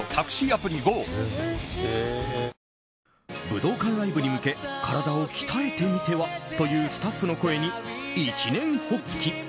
武道館ライブに向け体を鍛えてみては？というスタッフの声に一念発起。